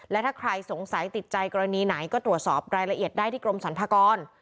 และถ้าใครสงสัยติดใจกรณีไหนก็ตรวจสอบรายละเอียดได้ที่กรมสรรพากร